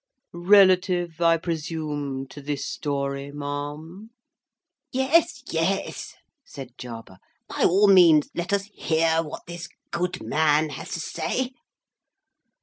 "Relative, I presume, to this story, ma'am?" "Yes, Yes!" said Jarber. "By all means let us hear what this good man has to say."